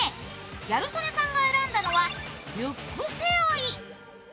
ギャル曽根さんが選んだのはリュック背負い。